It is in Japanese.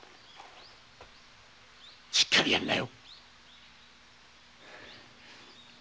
しっかりやりなよ！